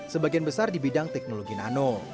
sebagian besar di bidang teknologi nano